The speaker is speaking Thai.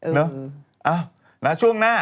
เอ่อช่วงตะว่า